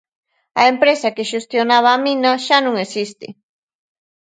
A empresa que xestionaba a mina xa non existe.